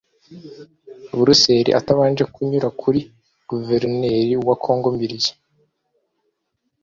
Buruseli atabanje kunyura kuri guverineri wa kongo mbirigi